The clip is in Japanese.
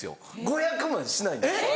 ５００万しないんですよ。